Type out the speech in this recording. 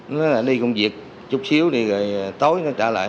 nó đi công việc chút xíu tối nó trả lại